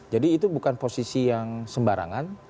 jadi itu bukan posisi yang sembarangan